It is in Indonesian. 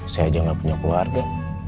saya aja gak punya keluarga